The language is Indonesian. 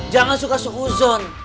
jangan suka su huzon